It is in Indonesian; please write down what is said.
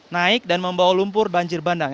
naik dan membawa lumpur banjir bandang